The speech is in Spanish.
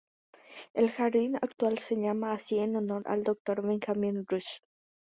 El jardín actual se llama así en honor al Dr. Benjamin Rush.